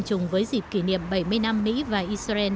chung với dịp kỷ niệm bảy mươi năm mỹ và israel